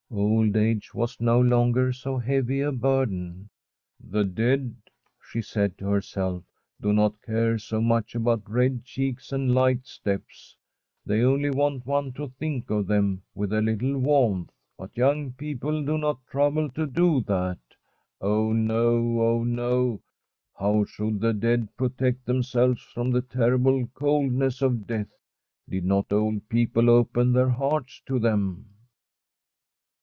Old age was no longer so heavy a burden. * The dead,' she said to herself, * do not care so much about red cheeks and light steps. They only want one to think of them with a little warmth. But young people do not trouble to do that. Oh no, oh no. How should the dead protect them selves from the terrible coldness of death did not old people open their hearts to them